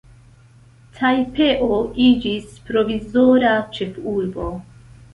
Tajpeo iĝis provizora ĉefurbo.